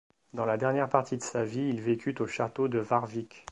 Dans la dernière partie de sa vie, il vécut au château de Warwick.